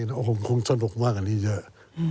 มันคงจะนกมากกับนิยมเยอะ